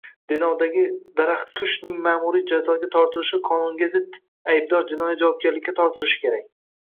Denovdagi “daraxtkush”ning ma'muriy jazoga tortilishi qonunga zid. Aybdor jinoiy javobgarlikka tortilishi kerak